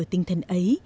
tinh thần ấy